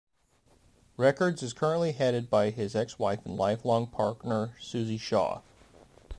Records is currently headed by his ex-wife and lifelong partner, Suzy Shaw.